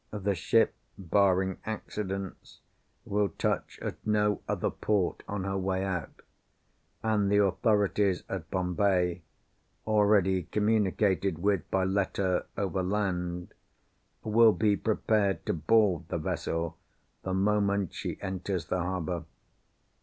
The ship (barring accidents) will touch at no other port on her way out; and the authorities at Bombay (already communicated with by letter, overland) will be prepared to board the vessel, the moment she enters the harbour.